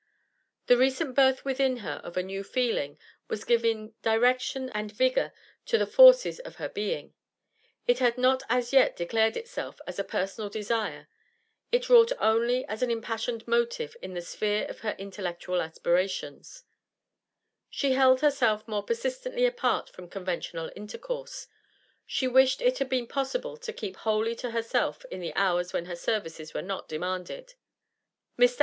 The recent birth within her of a new feeling was giving direction and vigour to the forces of her being; it had not as yet declared itself as a personal desire; it wrought only as an impassioned motive in the sphere of her intellectual aspirations, She held herself more persistently apart from conventional intercourse; she wished it had been possible to keep wholly to herself in the hours when her services were not demanded. Mr.